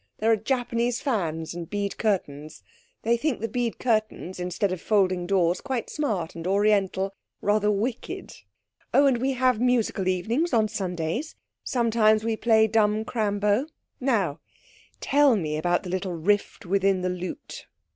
There are Japanese fans and bead curtains. They think the bead curtains instead of folding doors quite smart and Oriental rather wicked. Oh and we have musical evenings on Sundays; sometimes we play dumb crambo. Now, tell me about the little rift within the lute.'